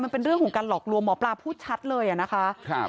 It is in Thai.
มันเป็นเรื่องของการหลอกลวงหมอปลาพูดชัดเลยอ่ะนะคะครับ